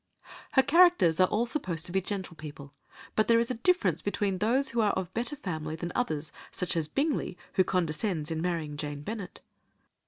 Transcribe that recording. Her characters are all supposed to be gentlepeople, but there is a difference between those who are of better family than others, such as Bingley, who condescends in marrying Jane Bennet.